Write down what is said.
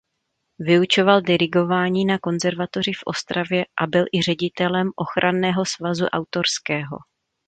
Vyučoval dirigování na konzervatoři v Ostravě a byl i ředitelem Ochranného svazu autorského.